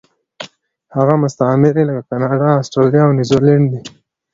هغه مستعمرې لکه کاناډا، اسټرالیا او نیوزیلینډ دي.